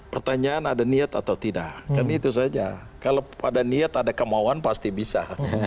pertanyaan ada niat atau tidak kan itu saja kalau ada niat ada kemauan pasti bisa